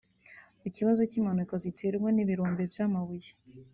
Ku kibazo cy'impanuka ziterwa n'ibirombe by'amabuye